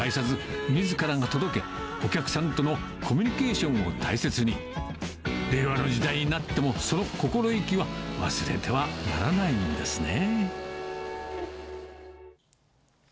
お客さんとのコミュニケーションを大切に、令和の時代になっても、その心意気は忘れてはならないんですね。